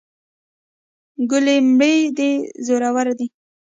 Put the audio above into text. ګلې مړې دې زورور دي.